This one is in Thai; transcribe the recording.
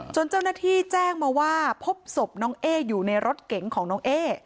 เจ้าหน้าที่แจ้งมาว่าพบศพน้องเอ๊อยู่ในรถเก๋งของน้องเอ๊